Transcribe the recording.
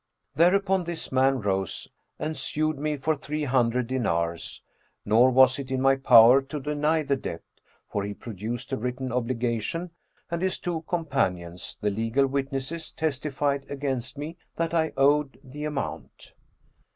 Thereupon this man rose and sued me for three hundred dinars, nor was it in my power to deny the debt; for he produced a written obligation and his two companions, the legal witnesses, testified against me that I owed the amount.